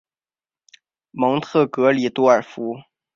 蒙特格里多尔福。